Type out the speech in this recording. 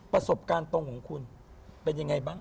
ประสบการณ์ตรงของคุณเป็นยังไงบ้าง